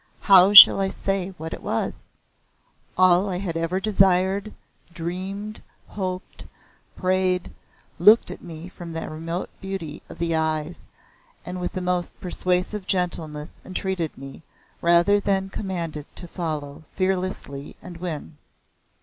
How shall I say what it was? All I had ever desired, dreamed, hoped, prayed, looked at me from the remote beauty of the eyes and with the most persuasive gentleness entreated me, rather than commanded to follow fearlessly and win.